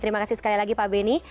terima kasih sekali lagi pak beni